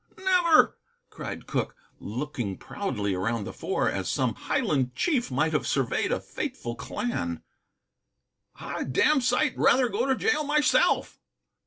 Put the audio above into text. "Never," cried Cooke, looking proudly around the Four as some Highland chief might have surveyed a faithful clan. "I'd a damned sight rather go to jail myself."